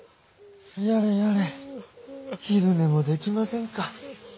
やれやれ昼寝もできませんか。